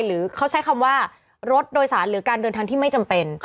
หรือเขาใช้คำว่ารถโดยสารหรือการเดินทางที่ไม่จำเป็น